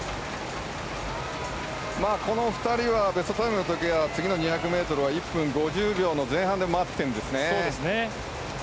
この２人はベストタイムの時は次の２００ｍは１分５０秒の前半で回ってきているんですね。